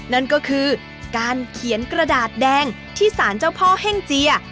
นั่นก็คือการเขียนกระดาษแดงที่สารเจ้าพ่อเฮ่งเจีย